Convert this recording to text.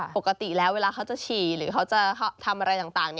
ปกติแล้วเวลาเขาจะฉี่หรือเขาจะทำอะไรต่าง